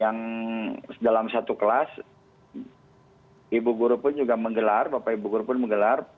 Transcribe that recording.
yang dalam satu kelas ibu guru pun juga menggelar bapak ibu guru pun menggelar